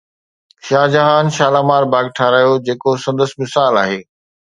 شاهجهان شالامار باغ ٺهرايو جيڪو سندس مثال آهي